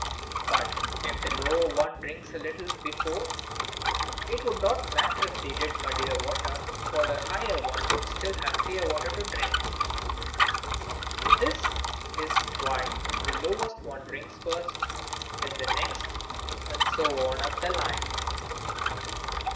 But if the lower ones drank a little before, it would not matter if they did muddy the water, for the higher ones would still have clear water to drink. That is why the lowest one drinks first, then the next, and so on up the line.